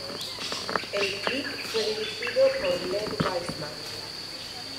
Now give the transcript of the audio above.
El clip fue dirigido por Len Wiseman.